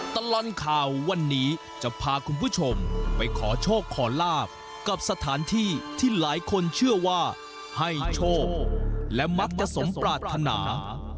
ตลอดข่าววันนี้จะพาคุณผู้ชมไปขอโชคขอลาบกับสถานที่ที่หลายคนเชื่อว่าให้โชคและมักจะสมปรารถนา